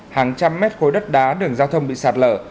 hàng trăm mét khối đất đá đường giao thông bị sạt lở